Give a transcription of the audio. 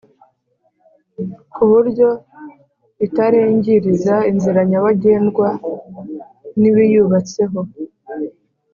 kuburyo itarengiriza inziranyabagendwa nibiyubatseho